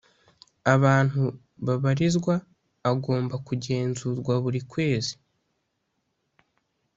Abantu babarizwa agomba kugenzurwa buri kwezi